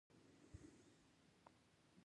افلاطون د سقراط شاګرد ګڼل کیږي.